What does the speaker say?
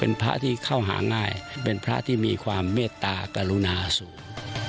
เป็นพระที่เข้าหาง่ายเป็นพระที่มีความเมตตากรุณาสูง